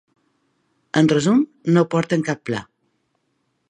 En resum: no aporten cap pla.